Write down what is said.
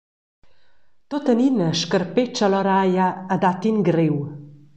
Tuttenina scarpetscha Loraia e dat in griu.